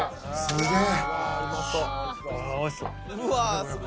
すげえ。